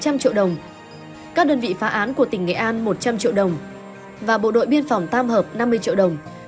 công an một trăm linh triệu đồng các đơn vị phá án của tỉnh nghệ an một trăm linh triệu đồng và bộ đội biên phòng tam hợp năm mươi triệu đồng